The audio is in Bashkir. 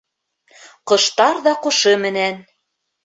Ҡоштар ҙа ҡушы менән.